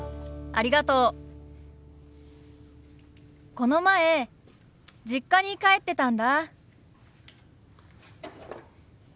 この前実家に帰ってたんだ。